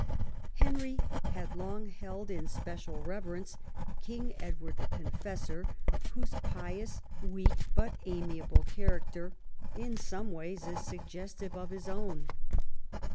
Henry had long held in special reverence King Edward the Confessor, whose pious, weak, but amiable character in some ways is suggestive of his own.